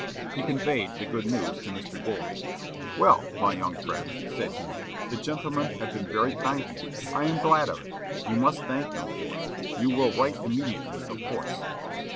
He conveyed the good news to Mr. Gore. "Well, my young friend," said he, "the gentlemen have been very kind to you; I am glad of it. You must thank them for it. You will write immediately, of course."